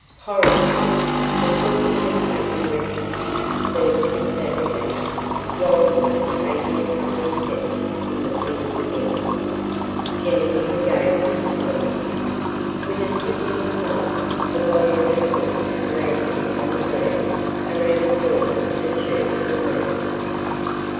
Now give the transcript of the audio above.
Horrors! The crook who had taken refuge seemed to stagger back, wildly, taking a couple of steps in the thin air. Kennedy regained his hold. With a sickening thud, the body of the crook landed on the ground around the corner of the church from me.